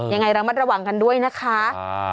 ยังไงระมัดระวังกันด้วยนะคะ